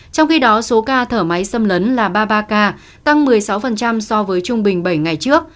trong khi đó số ca thở máy xâm lấn là ba mươi ba ca tăng một mươi sáu so với trung bình